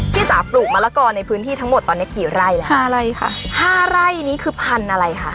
จ๋าปลูกมะละกอในพื้นที่ทั้งหมดตอนเนี้ยกี่ไร่แล้วห้าไร่ค่ะห้าไร่นี้คือพันธุ์อะไรคะ